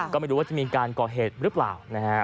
ก็ไม่รู้ว่าจะมีการก่อเหตุหรือเปล่านะฮะ